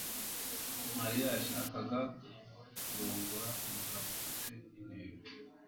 Mariya yashakaga kurongora umugabo ufite intego.